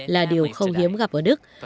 là điều không hiếm gặp ở đức